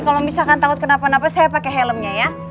kalau misalkan takut kenapa napa saya pakai helmnya ya